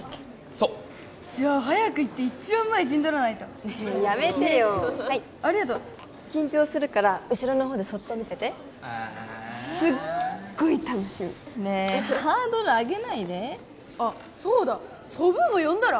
そうじゃあ早く行って一番前陣取らないとねえやめてよはいありがとう緊張するから後ろの方でそっと見ててえすっごい楽しみねえハードル上げないであっそうだソブーも呼んだら？